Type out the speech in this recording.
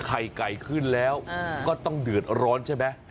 ไข่ไก่ขึ้นแล้วก็ต้องเดือดร้อนใช่ไหม